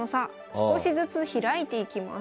少しずつ開いていきます。